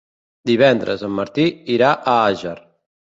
Divendres en Martí irà a Àger.